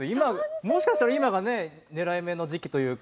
もしかしたら今がね狙い目の時期というか。